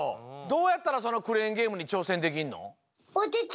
どうやったらそのクレーンゲームにちょうせんできんの？